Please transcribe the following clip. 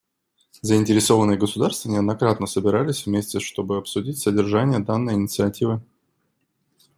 Заинтересованные государства неоднократно собирались вместе чтобы обсудить содержание данной инициативы.